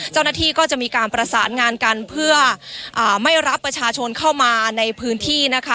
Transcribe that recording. เจ้าหน้าที่ก็จะมีการประสานงานกันเพื่อไม่รับประชาชนเข้ามาในพื้นที่นะคะ